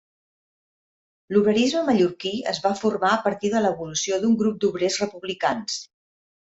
L'obrerisme mallorquí es va formar a partir de l'evolució d'un grup d'obrers republicans.